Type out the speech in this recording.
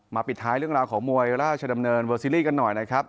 ปิดท้ายเรื่องราวของมวยราชดำเนินเวอร์ซีรีส์กันหน่อยนะครับ